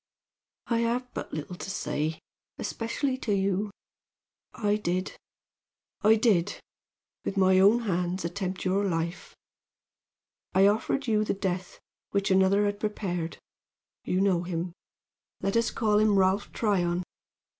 "I have but little to say, especially to you. I did I did, with my own hands attempt your life! I offered you the death which another had prepared you know him let us call him Ralph Tryon.